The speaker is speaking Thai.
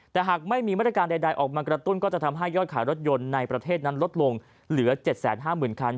แต่หากไม่มีมาตรการใดออกมากระตุ้นก็จะทำให้ยอดขายรถยนต์ในประเทศนั้นลดลงเหลือ๗๕๐๐๐คัน